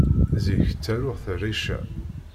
Zik ttaruɣ s rrica.